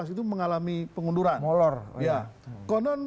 itu mengalami pengunduran